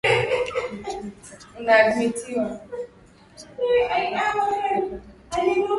mitume Katika nyaraka za Paulo ambazo ni maandiko ya kwanza katika